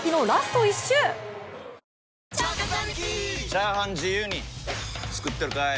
チャーハン自由に作ってるかい！？